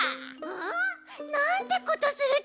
ん？なんてことするち！